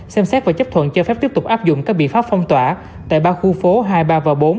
xem xét và chấp thuận cho phép tiếp tục áp dụng các biện pháp phong tỏa tại ba khu phố hai mươi ba và bốn